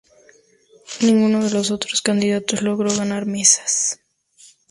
Ninguno de los otros candidatos logró ganar mesas.